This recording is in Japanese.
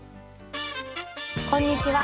こんにちは！